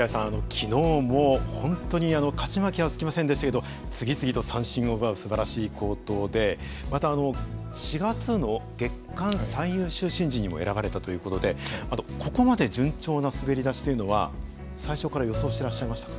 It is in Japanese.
昨日も本当に勝ち負けはつきませんでしたけど次々と三振を奪うすばらしい好投でまた４月の月間最優秀新人にも選ばれたという事でここまで順調な滑り出しというのは最初から予想してらっしゃいましたか？